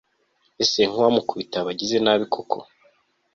ese nkuwamukubita yaba agize nabi koko